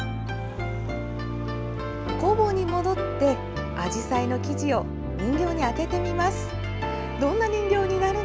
工房に戻って、あじさいの生地を人形に当ててみます。